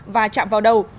và chạm vào đầu